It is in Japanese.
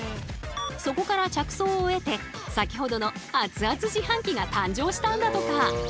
そこから着想を得て先ほどのアツアツ自販機が誕生したんだとか。